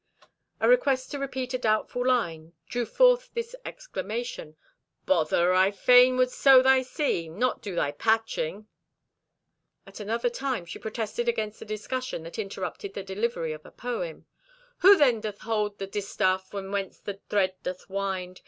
A request to repeat a doubtful line drew forth this exclamation: "Bother! I fain would sew thy seam, not do thy patching." At another time she protested against a discussion that interrupted the delivery of a poem: "Who then doth hold the distaff from whence the thread doth wind?